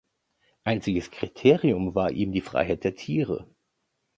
Einziges Kriterium war ihm die Freiheit der Tiere.